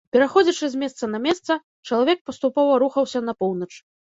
Пераходзячы з месца на месца, чалавек паступова рухаўся на поўнач.